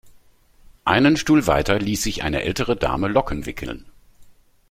Einen Stuhl weiter ließ sich eine ältere Dame Locken wickeln.